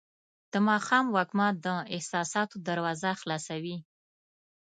د ماښام وږمه د احساساتو دروازه خلاصوي.